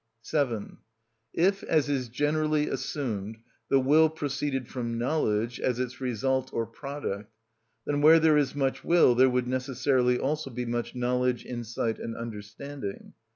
7. If, as is generally assumed, the will proceeded from knowledge, as its result or product, then where there is much will there would necessarily also be much knowledge, insight, and understanding.